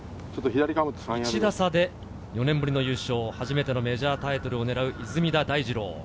１打差で４年ぶりの優勝、初めてのメジャータイトルを狙う出水田大二郎。